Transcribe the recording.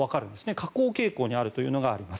下降傾向にあるというのがあります。